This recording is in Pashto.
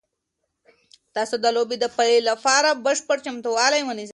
تاسو د لوبې د پیل لپاره بشپړ چمتووالی ونیسئ.